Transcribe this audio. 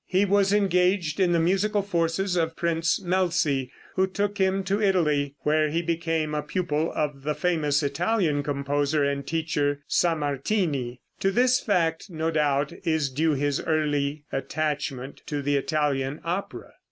He was engaged in the musical forces of Prince Melzi, who took him to Italy, where he became a pupil of the famous Italian composer and teacher, Sammartini. To this fact, no doubt, is due his early attachment to the Italian opera.